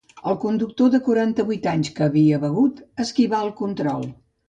El conductor de quaranta-vuit anys que havia begut esquivà el control.